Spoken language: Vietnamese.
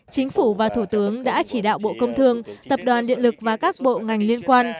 chính phủ và thủ tướng đã chỉ đạo bộ công thương tập đoàn điện lực và các bộ ngành liên quan